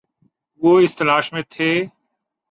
وہ اس تلاش میں تھے